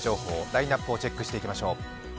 ラインナップをチェックしていきましょう。